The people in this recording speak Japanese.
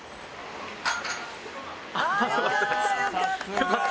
よかった。